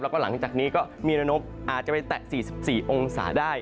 แล้วก็หลังจากนี้ก็มีระนกอาจจะไปแตะ๔๔องศาได้